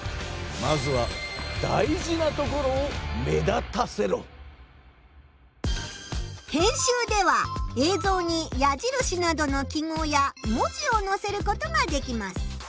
まずは編集では映像にやじるしなどの記号や文字をのせることができます。